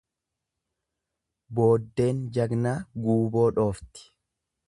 Booddeen jagnaa guuboo dhoofti.